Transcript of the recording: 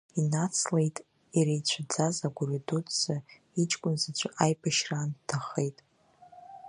Инацлеит иреицәаӡаз агәырҩа дуӡӡа иҷкәын заҵәы аибашьраан дҭахеит.